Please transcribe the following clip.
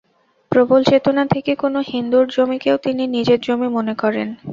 প্রবল চেতনা থেকে কোনো হিন্দুর জমিকেও তিনি নিজের জমি মনে করেন।